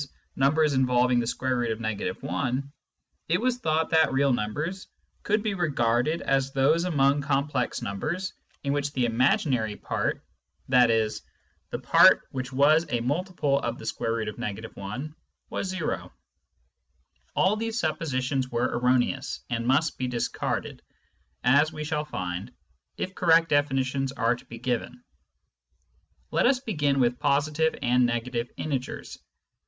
numbers involving the square root of — I, it was thought that real numbers could be regarded as those among complex numbers in which the imaginary part (i.e. the part 63 64 Introduction to Mathematical Philosopky which was a multiple of the square root of — 1) was zero. All these suppositions were erroneous, and must be discarded, as we shall find, if correct definitions are to be given. Let us begin with positive and negative integers.